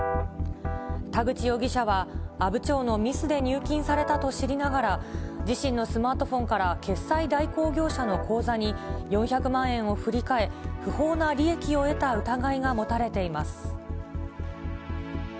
田口容疑者は、阿武町のミスで入金されたと知りながら、自身のスマートフォンから、決済代行業者の口座に４００万円を振り替え、不法な利益を得た疑いが持たれています。